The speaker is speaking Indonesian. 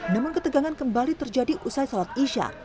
namun ketegangan kembali terjadi usai sholat isya